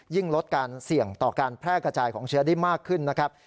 ลดการเสี่ยงต่อการแพร่กระจายของเชื้อได้มากขึ้นนะครับ